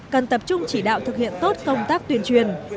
cần tập trung chỉ đạo thực hiện tốt công tác tuyên truyền